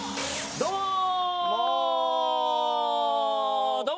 どうも。